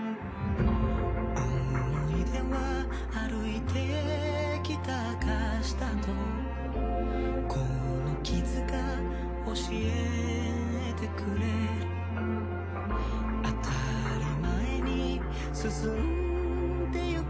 思い出は歩いてきた証だとこの傷が教えてくれる当たり前に進んでゆく